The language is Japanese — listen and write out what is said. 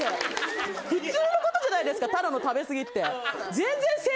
普通のことじゃないですかただの食べ過ぎって。